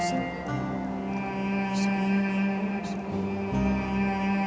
selamat tinggal puteraku